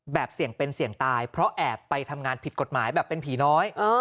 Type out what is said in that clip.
เสี่ยงเป็นเสี่ยงตายเพราะแอบไปทำงานผิดกฎหมายแบบเป็นผีน้อย